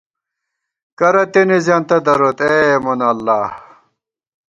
کرہ تېنے زېنتہ دروت، اے مونہ اللہ